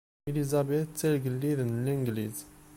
Elizabeth d Tagellid n Langliz.